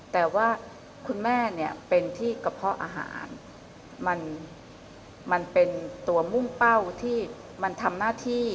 แต่ว่าคุณแม่เนี่ยเป็นที่กระเพาะอาหารมันเป็นตัวมุ่งเป้าที่มันทำหน้าที่